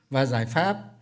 và giải pháp